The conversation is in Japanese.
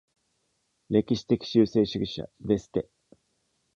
歴史的修正主義者 De Ste。